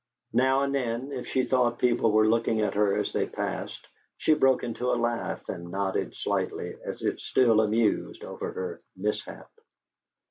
Now and then, if she thought people were looking at her as they passed, she broke into a laugh and nodded slightly, as if still amused over her mishap.